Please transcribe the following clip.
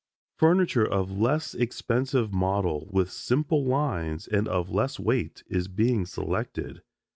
Furniture of less expensive model, with simple lines and of less weight is being selected.